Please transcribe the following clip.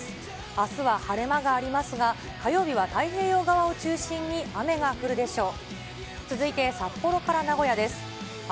あすは晴れ間がありますが、火曜日は太平洋側を中心に雨が降るでしょう。